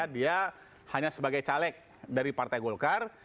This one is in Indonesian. dia hanya sebagai caleg dari partai golkar